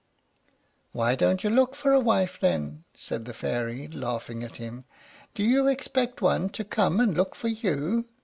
"Why don't you look for a wife, then?" said the Fairy, laughing at him. "Do you expect one to come and look for you?